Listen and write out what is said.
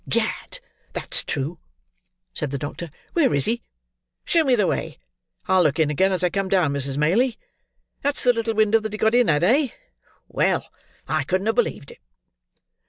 "Gad, that's true!" said the doctor. "Where is he? Show me the way. I'll look in again, as I come down, Mrs. Maylie. That's the little window that he got in at, eh? Well, I couldn't have believed it!"